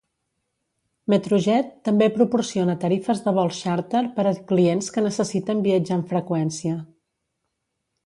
Metrojet també proporciona tarifes de vols xàrter per a clients que necessiten viatjar amb freqüència.